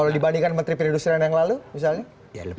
kalau dibandingkan menteri perindustrian yang lalu misalnya